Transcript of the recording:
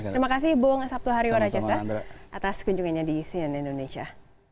terima kasih ibu nga sabtu hari warna cesa atas kunjungannya di cnn indonesia